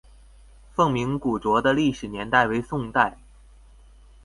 凤鸣古冢的历史年代为宋代。